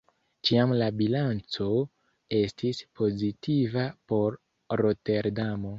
Ĉiam la bilanco estis pozitiva por Roterdamo.